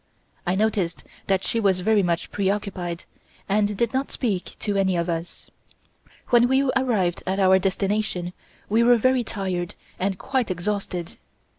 I noticed that she was very much preoccupied, and did not speak to any of us. When we arrived at our destination we were very tired and quite exhausted.